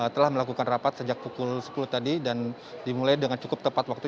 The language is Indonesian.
telah melakukan rapat sejak pukul sepuluh tadi dan dimulai dengan cukup tepat waktu